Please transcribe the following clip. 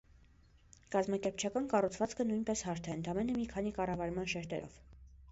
Կազմակերպչական կառուցվածքը նույնպես հարթ է՝ ընդամենը մի քանի կառավարման շերտերով։